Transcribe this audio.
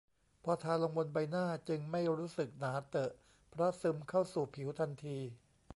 พอทาลงบนใบหน้าจึงไม่รู้สึกหนาเตอะเพราะซึมเข้าสู่ผิวทันที